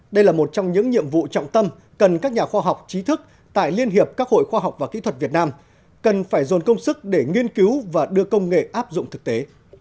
đây là một trong những nhiệm vụ trọng tâm cần các nhà khoa học trí thức tại liên hiệp các hội khoa học và kỹ thuật việt nam cần phải dồn công sức để nghiên cứu và đưa công nghệ áp dụng thực tế